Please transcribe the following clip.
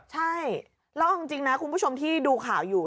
ใช่แล้วเอาจริงนะคุณผู้ชมที่ดูข่าวอยู่